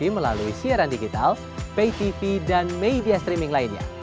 melalui siaran digital pay tv dan media streaming lainnya